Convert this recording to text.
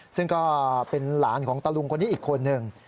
ซึ่งก็เป็นหลานของตะลุงคนนี้อีกคนหนึ่ง